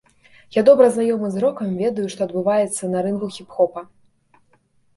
Я добра знаёмы з рокам, ведаю, што адбываецца на рынку хіп-хопа.